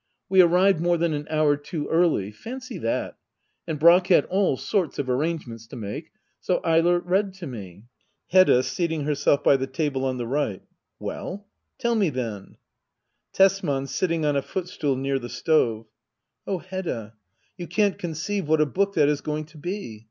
We arrived more than an hour too early — fancy that ! And Brack had all sorts of arrangements to make — so Eilert read to me. Hedda. [Seating herself by the table on the r%gkt.'\ Well ? Tell me, then Tesman. [Sittif^ on a footstool near the stoveJ] Oh Hedda, you can't conceive what a book that is going to be